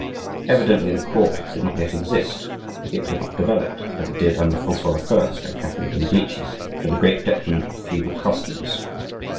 Evidently, the court did not yet exist; it had not developed, as it did under Francois I. and Catherine de' Medici, to the great detriment of feudal customs.